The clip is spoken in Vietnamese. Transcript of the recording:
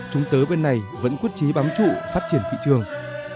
chúng tớ bên này vẫn quyết trí bám trụ phát triển thị trường